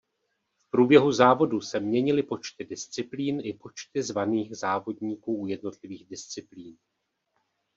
V průběhu závodů se měnily počty disciplín i počty zvaných závodníků u jednotlivých disciplín.